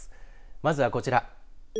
まずはこちら。